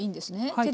はい。